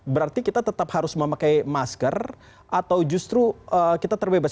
berarti kita tetap harus memakai masker atau justru kita terbebas